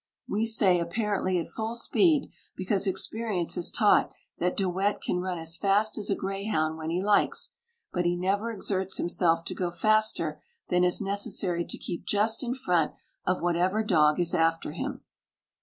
We say apparently at full speed, because experience has taught that De Wet can run as fast as a greyhound when he likes; but he never exerts himself to go faster than is necessary to keep just in front of whatever dog is after him.